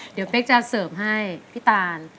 เดี๋ยวเป๊กจะเสิร์ฟให้พี่ตาน